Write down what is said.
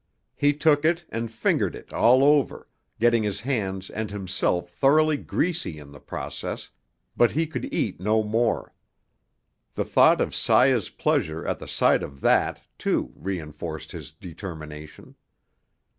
He took it and fingered it all over, getting his hands and himself thoroughly greasy in the process, but he could eat no more. The thought of Saya's pleasure at the sight of that, too, reinforced his determination.